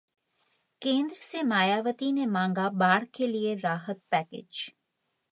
केंद्र से मायावती ने मांगा बाढ़ के लिए राहत पैकेज